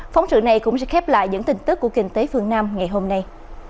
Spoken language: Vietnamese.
phóng sự này cũng sẽ khép lại những tin tức của kinh tế phương nam ngày hôm nay